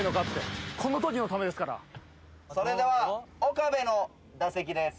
それでは岡部の打席です。